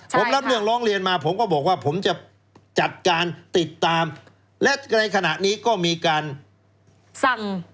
ผมรับเรื่องร้องเรียนมาผมก็บอกว่าผมจะจัดการติดตามและในขณะนี้ก็มีการสั่ง